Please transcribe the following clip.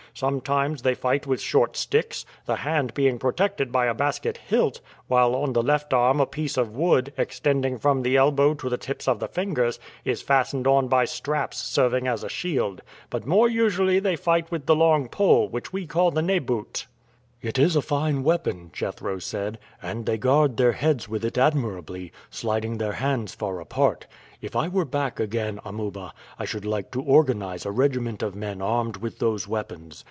Sometimes they fight with short sticks, the hand being protected by a basket hilt, while on the left arm a piece of wood, extending from the elbow to the tips of the fingers, is fastened on by straps serving as a shield; but more usually they fight with the long pole, which we call the neboot." "It is a fine weapon," Jethro said, "and they guard their heads with it admirably, sliding their hands far apart. If I were back again, Amuba, I should like to organize a regiment of men armed with those weapons.